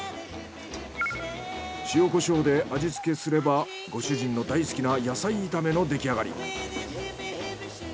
塩コショウで味付けすればご主人の大好きな野菜炒めのできあがり。